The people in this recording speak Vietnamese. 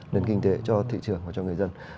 nền kinh tế cho thị trường và cho người dân